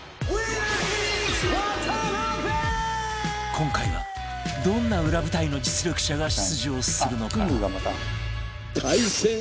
今回はどんな裏舞台の実力者が出場するのか？